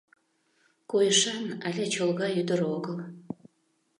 Койышан але чолга ӱдыр огыл.